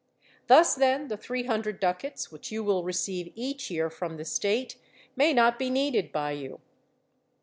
"Thus, then, the three hundred ducats, which you will receive each year from the state, may not be needed by you.